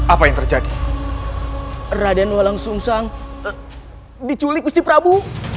apa yang terjadi raden walang sungshang diculik gusti prabu